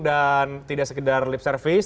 dan tidak sekedar lip service